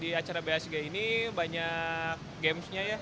di acara basg ini banyak games nya ya